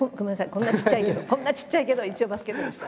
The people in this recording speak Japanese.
こんなちっちゃいけどこんなちっちゃいけど一応バスケットでした。